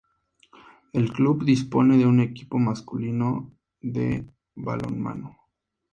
El club dispone de un equipo masculino de balonmano.